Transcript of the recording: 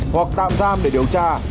hoặc tạm giam để điều tra